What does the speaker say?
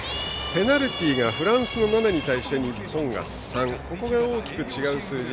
ペナルティーがフランス７に対して日本が３ここが大きく違う数字。